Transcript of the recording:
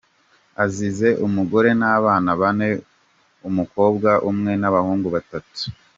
Asize umugore n’abana bane, umukobwa umwe n’abahungu batatu.